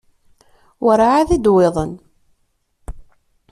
Werɛad i d-wwiḍen.